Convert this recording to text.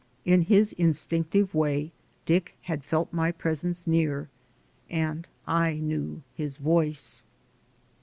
In his instinctive way, Dick had felt my presence near, and I knew his voice.